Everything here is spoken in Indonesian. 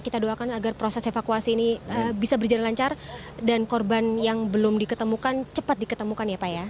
kita doakan agar proses evakuasi ini bisa berjalan lancar dan korban yang belum diketemukan cepat diketemukan ya pak ya